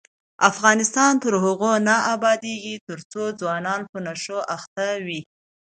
افغانستان تر هغو نه ابادیږي، ترڅو ځوانان په نشو اخته وي.